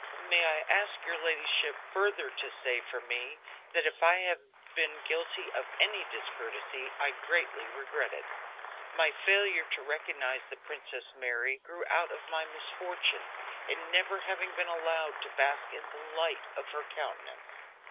"May I ask your ladyship further to say for me that if I have been guilty of any discourtesy I greatly regret it. My failure to recognize the Princess Mary grew out of my misfortune in never having been allowed to bask in the light of her countenance.